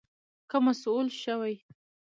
که مسؤول شوې